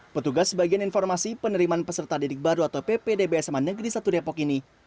petugas bagian informasi penerimaan peserta didik baru atau ppdb sma negeri satu depok ini